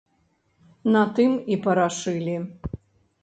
На тым і парашылі.